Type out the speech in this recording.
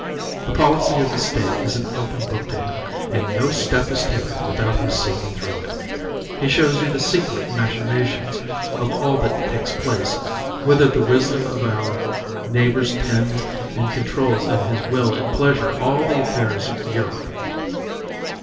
The policy of the state is an open book to him, and no step is taken without his seeing through it. He shows you the secret machinations of all that takes place, whither the wisdom of our neighbours tends, and controls at his will and pleasure all the affairs of Europe.